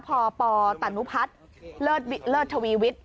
ปปตนุพัฒน์เลิศทวีวิทย์